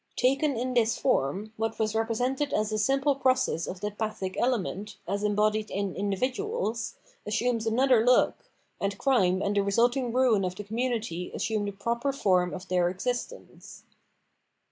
Taken in this form, what was represented as a simple process of the " pathic " element as embodied in in dividuals, assumes another look, and crime and the resulting ruin of the community assume the proper form of their existence.